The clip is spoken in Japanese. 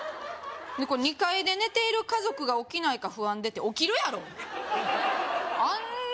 これ「２階で寝ている家族が起きないか不安で」って起きるやろあんな